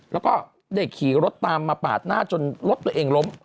แล้วก็ได้ขี่รถตามมาปาดหน้าจนรถตัวเองล้ม